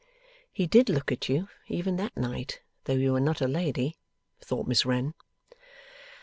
['He did look at you, even that night, though you were not a lady!' thought Miss Wren.)